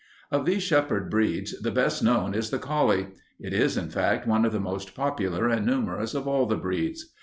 "Of these shepherd breeds the best known is the collie. It is, in fact, one of the most popular and numerous of all the breeds.